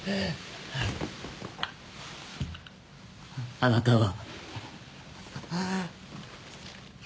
あなたは。